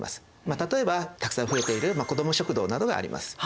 例えばたくさん増えている子ども食堂などがあります。